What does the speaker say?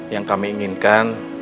yang kami inginkan